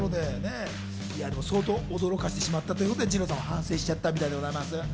相当驚かせしまったということで二朗さんは反省しちゃったみたいです。